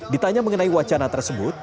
ditanya mengenai wacana tersebut